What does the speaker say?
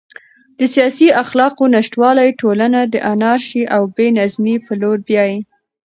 د سیاسي اخلاقو نشتوالی ټولنه د انارشي او بې نظمۍ په لور بیايي.